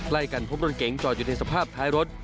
ใกล้กันพบรถเก๋งจอดอยู่ในสภาพท้ายรถ